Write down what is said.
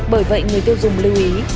bởi vậy người tiêu dùng lưu ý